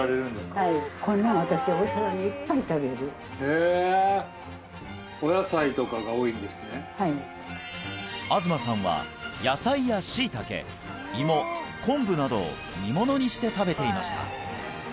はいこんなの私へえ東さんは野菜やシイタケ芋昆布などを煮物にして食べていました